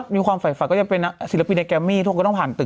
นางเป็นกลุ่มเดียวกันพึ่งมารู้